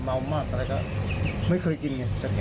เมามากไปก็ไม่เคยกิน